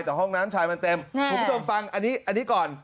แต่ห้องน้ำชายมันเต็มฝูมิต้องฟังอันนี้อันนี้ก่อน